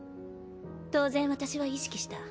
当然私は意識した。